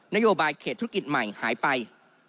นโยบายเขตธุรกิจใหม่หายไป